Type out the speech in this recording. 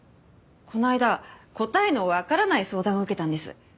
この間答えのわからない相談を受けたんです。